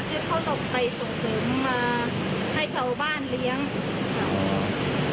คือเขาต้องไปส่งเสริมมาให้ชาวบ้านเลี้ยงค่ะ